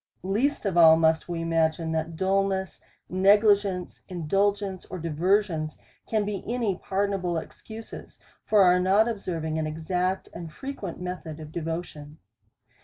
Least of all must we imagine, that dulness, negli gence, indulgence, or diversions, can be any pardon able excuses for our not observing an exact and fre quent method of devotion.